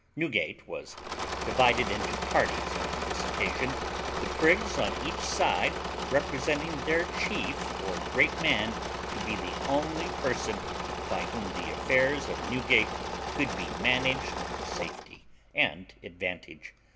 Newgate was divided into parties on this occasion, the prigs on each side representing their chief or great man to be the only person by whom the affairs of Newgate could be managed with safety and advantage.